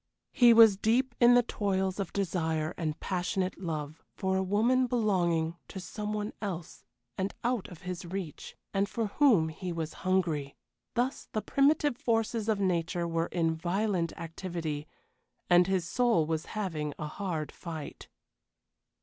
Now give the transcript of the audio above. He was deep in the toils of desire and passionate love for a woman belonging to someone else and out of his reach, and for whom he was hungry. Thus the primitive forces of nature were in violent activity, and his soul was having a hard fight.